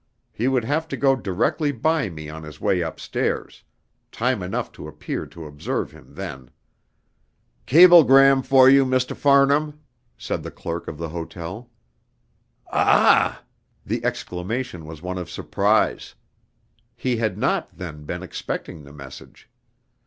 He would have to go directly by me on his way upstairs; time enough to appear to observe him then. "Cablegram for you, Mr. Farnham," said the clerk of the hotel. "Ah!" The exclamation was one of surprise. He had not, then, been expecting the message.